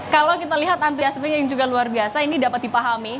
kalau kita lihat antusiasmenya yang juga luar biasa ini dapat dipahami